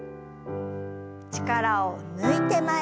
力を抜いて前に。